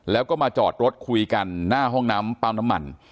แล้วก็มาจอดรถคุยกันหน้าห้องน้ำปั๊มน้ำมัน